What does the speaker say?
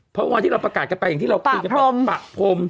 เพราะว่าที่เราประกาศกันไปอย่างที่เราคือปากพรม